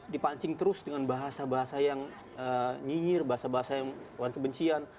dipancing terus dengan bahasa bahasa yang nyinyir bahasa bahasa yang wajar kebencian